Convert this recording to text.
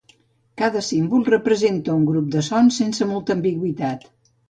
Cada símbol representa un grup de sons sense molta ambigüitat.